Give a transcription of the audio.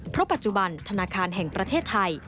เพราะปัจจุบันธนาคารแห่งประเทศไทย